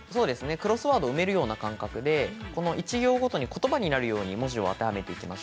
クロスワードを埋めるような感覚で１秒ごとにことばになるように文字を当てはめていきます。